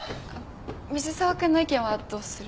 水沢君の意見はどうする？